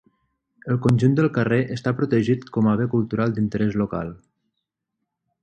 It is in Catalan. El conjunt del carrer està protegit com a bé cultural d'interès local.